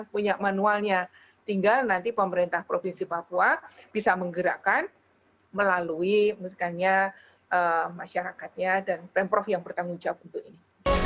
punya manualnya tinggal nanti pemerintah provinsi papua bisa menggerakkan melalui misalnya masyarakatnya dan pemprov yang bertanggung jawab untuk ini